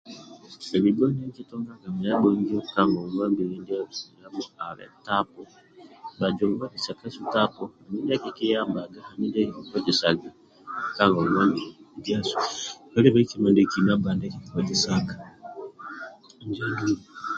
Libho ndie kikitunganga ndia abhongio ka ngongwa mbili ndiasu ali tapu bhajungu bhabikisa kasu tapu andulu ndie akikiyambaga kikizosaga ka ngongwa mbili ndiasu kalibei kima ndiekina ndiekina baa kikiozesaga